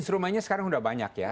cuma ini sekarang sudah banyak ya